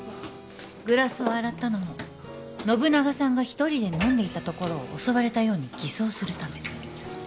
グラスを洗ったのも信長さんが１人で飲んでいたところを襲われたように偽装するため。